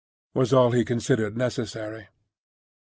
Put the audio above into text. was all he considered necessary.